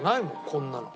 こんなの。